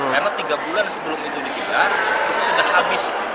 karena tiga bulan sebelum itu dikitar itu sudah habis